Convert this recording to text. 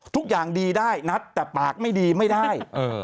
ทุกอย่างดีได้นัดแต่ปากไม่ดีไม่ได้